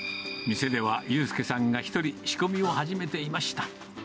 店では悠佑さんが一人、仕込みを始めていました。